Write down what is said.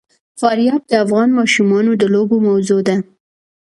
فاریاب د افغان ماشومانو د لوبو موضوع ده.